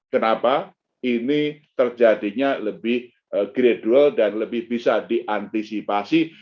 kenapa ini terjadinya lebih gradual dan lebih bisa diantisipasi